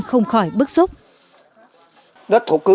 không khỏi bức xúc